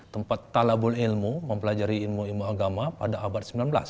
tempat talabul ilmu mempelajari ilmu ilmu agama pada abad sembilan belas